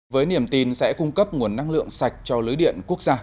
với niềm tin sẽ cung cấp nguồn năng lượng sạch cho lưới điện quốc gia